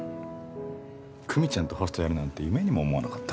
久美ちゃんとホストやるなんて夢にも思わなかった。